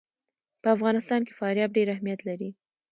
په افغانستان کې فاریاب ډېر اهمیت لري.